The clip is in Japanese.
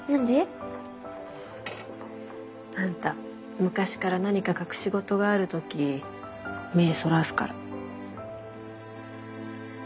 あんた昔から何か隠し事がある時目そらすから。